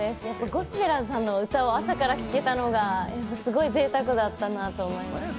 ゴスペラーズさんの歌を朝から聴けたのが、すごいぜいたくだったなと思いました。